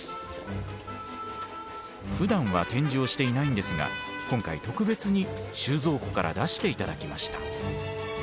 ふだんは展示をしていないんですが今回特別に収蔵庫から出して頂きました。